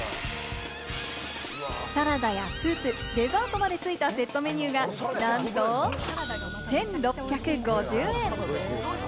サラダやスープ、デザートまで付いたセットメニューがなんと１６５０円！